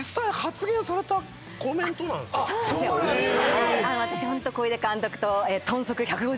そうなんすか。